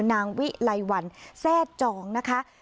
นางวิไลวันแทร่จองนะคะ